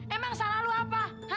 emang salah lu apa